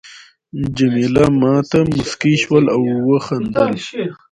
جميله ما ته مسکی شول او وخندل.